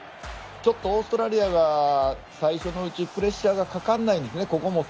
ちょっとオーストラリアが最初のうちはプレッシャーがかからないんですよね。